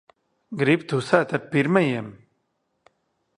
Grib tusēt ar pirmajiem.